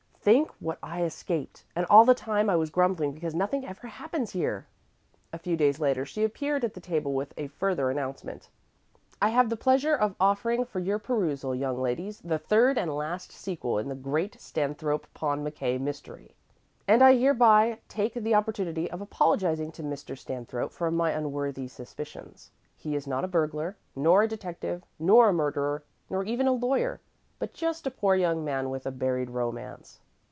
"Think what I escaped. And all the time I was grumbling because nothing ever happens here!" A few days later she appeared at the table with a further announcement: "I have the pleasure of offering for your perusal, young ladies, the third and last sequel in the great Stanthrope Pond McKay mystery. And I hereby take the opportunity of apologizing to Mr. Stanthrope for my unworthy suspicions. He is not a burglar, nor a detective, nor a murderer, nor even a lawyer, but just a poor young man with a buried romance."